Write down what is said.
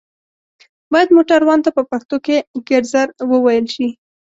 بايد موټروان ته په پښتو کې ګرځر ووئيل شي